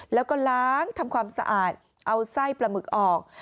แล้วก็ล้างทำความสะอาดเอาไส้ปลาหมึกออก